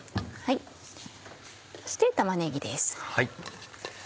そして玉ねぎです。